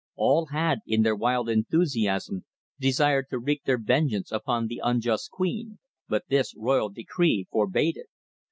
All had, in their wild enthusiasm, desired to wreak their vengeance upon the unjust queen, but this royal decree forbade it.